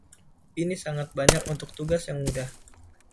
Ini sangat banyak untuk tugas yang mudah.